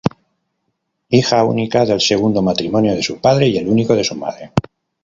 Hija única del segundo matrimonio de su padre y el único de su madre.